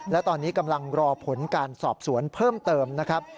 และตอนนี้กำลังรอผลการสอบสวนเพิ่มเติมนะครับ